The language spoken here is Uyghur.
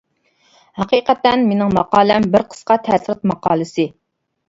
ھەقىقەتەن مېنىڭ ماقالەم بىر قىسقا تەسىرات ماقالىسى.